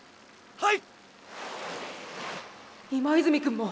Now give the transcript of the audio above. はい！